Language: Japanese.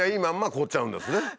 まんま凍っちゃうんですね。